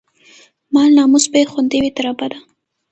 مال، ناموس به يې خوندي وي، تر ابده